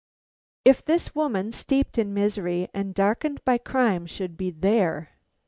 If this woman, steeped in misery and darkened by crime, should be there!